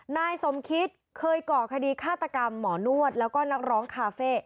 นายสมคิตเคยก่อคดีฆาตกรรมหมอนวดแล้วก็นักร้องคาเฟ่